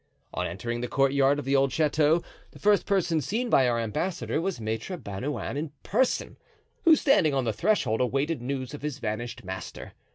On entering the courtyard of the old chateau the first person seen by our ambassador was Maitre Bernouin in person, who, standing on the threshold, awaited news of his vanished master.